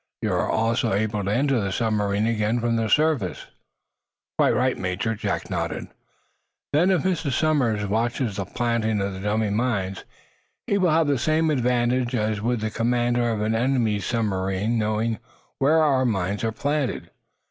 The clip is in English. You are also able to enter the submarine again from the surface?" "Quite right, Major," Jack nodded. "Then, if Mr. Somers watches the planting of the dummy mines, he will have the same advantage as would the commander of an enemy's submarine in knowing where our mines are planted.